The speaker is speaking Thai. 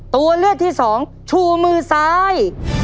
ตัวเลือกที่สองชูมือซ้าย